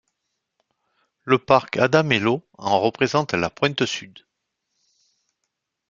Le parc Adamello en représente la pointe sud.